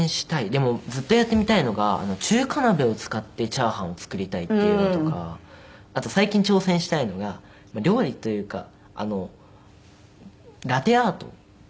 でもずっとやってみたいのが中華鍋を使ってチャーハンを作りたいっていうのとかあと最近挑戦したいのが料理というかラテアートをやりたくて。